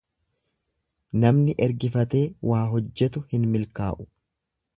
Namni ergifatee waa hojjetu hin milkaa'u.